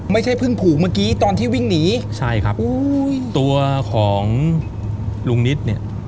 ไม่ใช่เพิ่งผูกเมื่อกี้ตอนที่วิ่งหนีใช่ครับตัวของลุงนิดเนี่ย